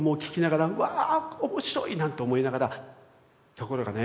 ところがね